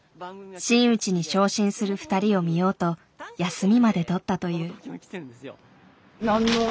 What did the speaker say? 真打に昇進する２人を見ようと休みまで取ったという。